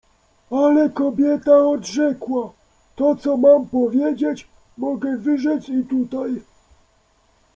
Ale kobieta odrzekła: „To, co mam powiedzieć, mogę wyrzec i tutaj”.